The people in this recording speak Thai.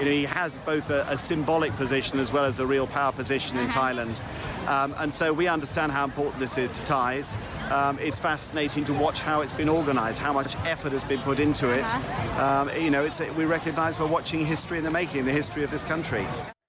เราต้องดูว่าเราก็ต้องดูว่ามันทำงานในภาคที่นี่